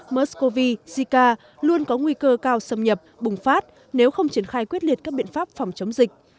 mers cova luôn có nguy cơ cao xâm nhập bùng phát nếu không triển khai quyết liệt các biện pháp phòng chống dịch